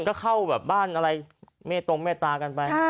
ก็เข้าแบบบ้านอะไรเมตตงเมตตากันไป